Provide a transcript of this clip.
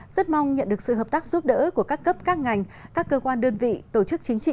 rất mong nhận được sự hợp tác giúp đỡ của các cấp các ngành các cơ quan đơn vị tổ chức chính trị